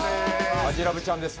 マヂラブちゃんです